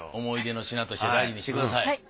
思い出の品として大事にしてください。